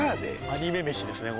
アニメ飯ですね